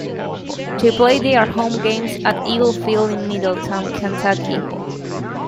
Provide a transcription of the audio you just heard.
They play their home games at Eagle Field in Middletown, Kentucky.